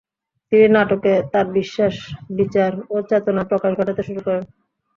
তিনি নাটকে তার বিশ্বাস, বিচার ও চেতনার প্রকাশ ঘটাতে শুরু করেন।